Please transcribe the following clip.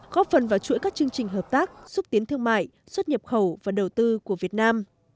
góp phần vào chuỗi các chương trình hợp tác xúc tiến thương mại xuất nhập khẩu và đầu tư của việt nam